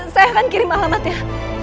saya akan kirim alamatnya